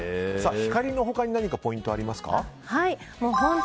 光の他に何かポイントありますか。